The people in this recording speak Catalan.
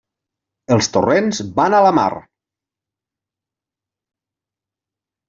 Els torrents van a la mar.